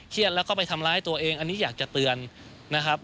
แล้วก็ไปทำร้ายตัวเองอันนี้อยากจะเตือนนะครับ